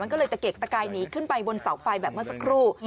ก็เลยตะเกกตะกายหนีขึ้นไปบนเสาไฟแบบเมื่อสักครู่